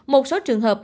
một số trường hợp